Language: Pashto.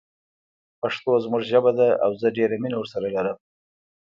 پښتو زموږ ژبه ده او زه ډیره مینه ورسره لرم